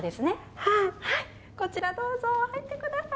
はいこちらどうぞ入ってください